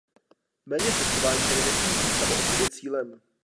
Méně cestování tedy nesmí být samo o sobě cílem.